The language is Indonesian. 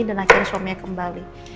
dan akhirnya suaminya kembali